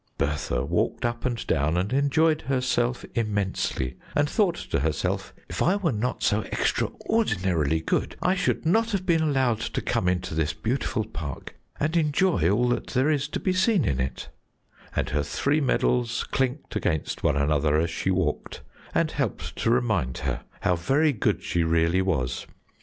Bertha walked up and down and enjoyed herself immensely, and thought to herself: 'If I were not so extraordinarily good I should not have been allowed to come into this beautiful park and enjoy all that there is to be seen in it,' and her three medals clinked against one another as she walked and helped to remind her how very good she really was.